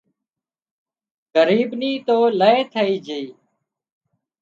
ڳريب نِي تو لئي ٿئي جھئي